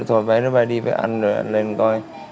thôi vậy nó phải đi với anh rồi anh lên coi